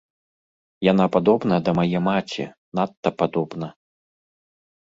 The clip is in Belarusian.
Яна падобна да мае маці, надта падобна.